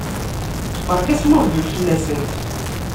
Berka asmuhbel fell-asent!